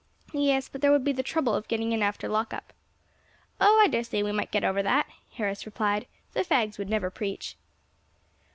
"Yes, but there would be the trouble of getting in after lock up." "Oh, I dare say we might get over that," Harris replied; "the fags would never peach."